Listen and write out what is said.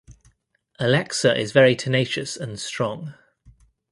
Alexa is very tenacious and strong.